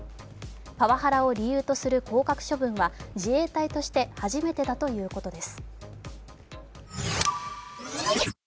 パワハラを理由とする降格処分は自衛隊として初めてだということです。